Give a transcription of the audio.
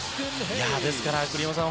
ですから栗山さん